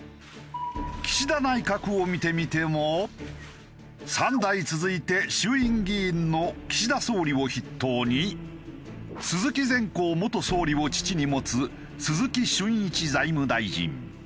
岸田内閣を見てみても３代続いて衆院議員の岸田総理を筆頭に鈴木善幸元総理を父に持つ鈴木俊一財務大臣。